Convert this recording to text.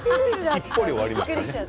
しっぽり終わりますね。